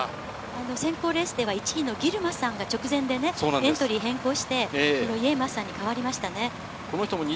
選考レースでは１位のギルマさんが直前でエントリー変更して、イェマーさんに変わりました。